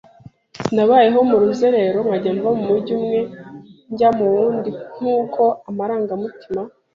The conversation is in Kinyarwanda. Nabayeho mu ruzerero, nkajya mva mu mujyi umwe njya mu wundi nk’uko amarangamutima